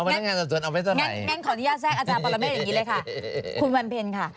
อ้าวงั้นเดี๋ยวงั้นงั้นขออนุญาตแทรกอาจารย์ปรเมฆอย่างนี้เลยค่ะคุณวันเพลย์ค่ะ